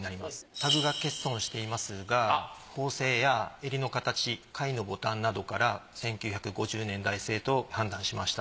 タグが欠損していますが縫製や襟の形貝のボタンなどから１９５０年代製と判断しました。